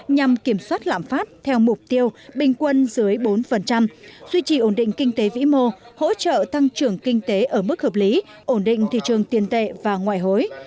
nhằm kiểm soát lãm phát theo mục tiêu bình quân dưới bốn duy trì ổn định kinh tế vĩ mô hỗ trợ tăng trưởng kinh tế ở mức hợp lý ổn định thị trường tiền tệ và ngoại hối